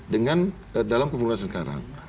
dengan dalam kemuliaan sekarang